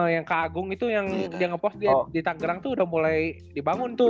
yang kak agung itu yang dia ngepost di tangerang tuh udah mulai dibangun tuh